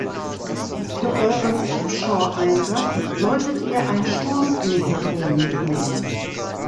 Für euren Offshore-Einsatz solltet ihr ein Sturmmikrofon mitnehmen.